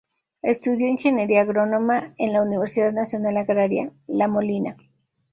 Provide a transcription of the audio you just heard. Estudió Ingeniería Agrónoma en la Universidad Nacional Agraria, La Molina.